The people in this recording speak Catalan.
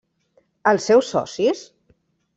Els seus socis?